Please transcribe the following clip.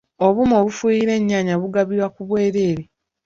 Obuuma obufuuyira ennyaanya bugabibwe ku bwereere.